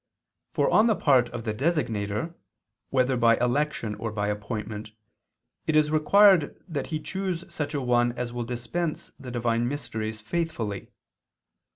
For on the part of the designator, whether by election or by appointment, it is required that he choose such a one as will dispense the divine mysteries faithfully.